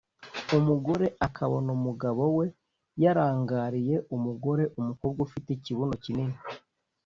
umugore akabona umugabo we yarangariye umugore/umukobwa ufite ikibuno kinini